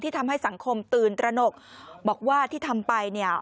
ทำให้สังคมตื่นตระหนกบอกว่าที่ทำไปเนี่ย